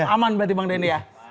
aman berarti bang denny ya